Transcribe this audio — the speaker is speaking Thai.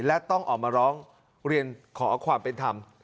และต้องออกมาร้องเรียนขอความเป็นธรรม